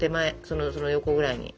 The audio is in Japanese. その横ぐらいに。